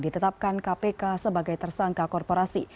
ditetapkan kpk sebagai tersangka korporasi